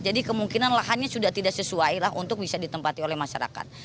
jadi kemungkinan lahannya sudah tidak sesuai lah untuk bisa ditempati oleh masyarakat